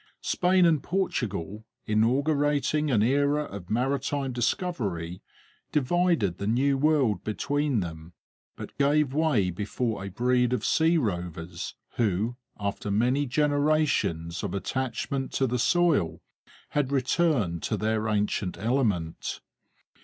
Spain and Portugal, inaugurating an era of maritime discovery, divided the new world between them, but gave way before a breed of sea rovers, who, after many generations of attachment to the soil, had returned to their ancient element.